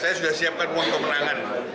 saya sudah siapkan uang kemenangan